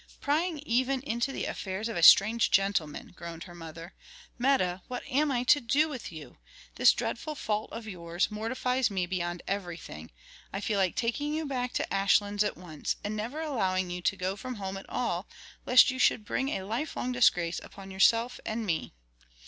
prying even into the affairs of a strange gentleman!" groaned her mother. "Meta, what am I to do with you? this dreadful fault of yours mortifies me beyond everything. I feel like taking you back to Ashlands at once, and never allowing you to go from home at all; lest you should bring a life long disgrace upon yourself and me."